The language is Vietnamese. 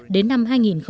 đến năm hai nghìn năm mươi